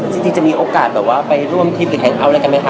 จริงจะมีโอกาสแบบว่าไปร่วมทริปหรือแฮงเอาท์อะไรกันไหมคะ